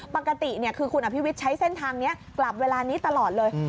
ปกติคือคุณอภิวิตใช้เส้นทางนี้กลับเวลานี้ตลอดเลย